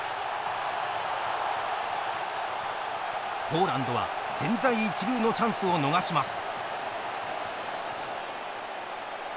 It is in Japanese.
ポーランドは千載一遇のチャンスを逃します。